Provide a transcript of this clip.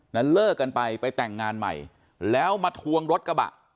นั้นเลิกกันไปไปแต่งงานใหม่แล้วมาทวงรถกระบะ